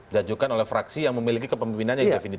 diajukan oleh fraksi yang memiliki kepemimpinan yang definitif